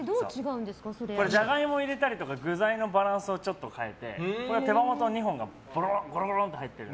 ジャガイモ入れたり具材のバランスをちょっと変えてこれは手羽元２本がゴロゴロと入っている。